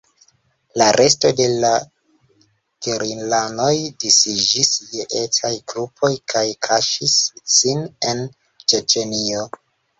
La resto de la gerilanoj disiĝis je etaj grupoj kaj kaŝis sin en Ĉeĉenio.